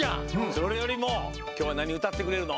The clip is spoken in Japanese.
それよりもきょうはなにうたってくれるの？